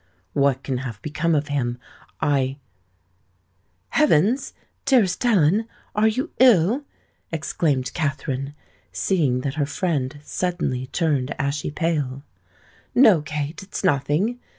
What can have become of him? I——" "Heavens! dearest Ellen, are you ill?" exclaimed Katherine, seeing that her friend suddenly turned ashy pale. "No, Kate: it is nothing!